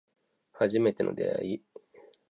初めての出会い